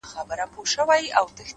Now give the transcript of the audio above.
چي محبت يې زړه كي ځاى پـيـدا كـړو-